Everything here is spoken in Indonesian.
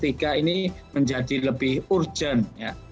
ini menjadi lebih urgent